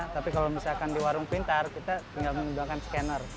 tapi kalau misalkan di warung pintar kita tinggal menggunakan scanner